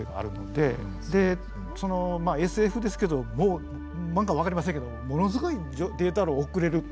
でまあＳＦですけどもう何か分かりませんけどものすごいデータ量を送れる。